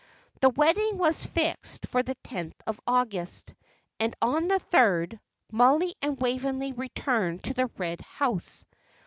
The wedding was fixed for the tenth of August, and on the third, Mollie and Waveney returned to the Red House.